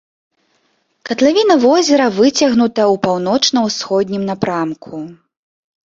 Катлавіна возера выцягнута ў паўночна-ўсходнім напрамку.